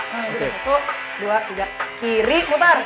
nah dari satu dua tiga kiri muter